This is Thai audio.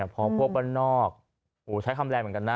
พอพวกบ้านนอกใช้คำแรงเหมือนกันนะ